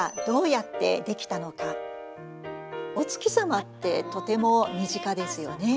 お月様ってとても身近ですよね。